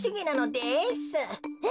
え？